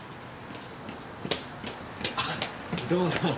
あどうもどうも。